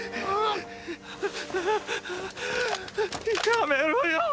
やめろよぉ！！